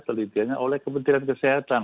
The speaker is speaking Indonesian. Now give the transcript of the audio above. telitiannya oleh kementerian kesehatan